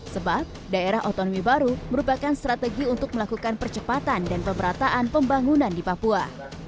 sebab daerah otonomi baru merupakan strategi untuk melakukan percepatan dan pemerataan pembangunan di papua